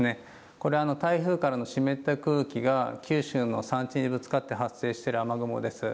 これ台風からの湿った空気が九州の山地にぶつかって発生している雨雲です。